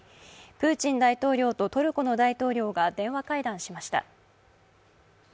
プーチン大統領とトルコの大統領が電話会談しました。